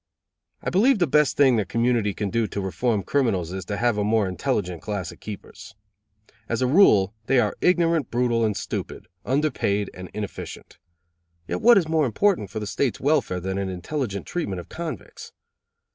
I believe the best thing the community can do to reform criminals is to have a more intelligent class of keepers. As a rule they are ignorant, brutal and stupid, under paid and inefficient; yet what is more important for the State's welfare than an intelligent treatment of convicts?